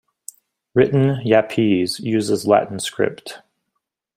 Written Yapese uses Latin script.